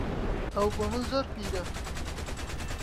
ئەو بۆ من زۆر پیرە.